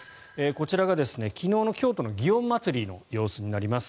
こちらが昨日の京都の祇園祭の様子になります。